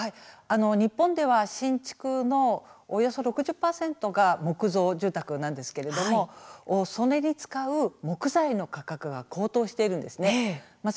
日本では新築のおよそ６０％が木造住宅なんですけれどもそれに使う木材の価格が高騰しています。